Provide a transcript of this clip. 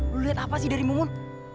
lo liat apa sih dari mumun